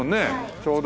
ちょうど。